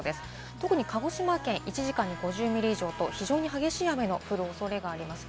特に鹿児島県、１時間に５０ミリ以上と非常に激しい雨の降るおそれがあります。